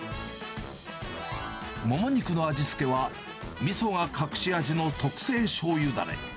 モモ肉の味付けはみそが隠し味の特製しょうゆだれ。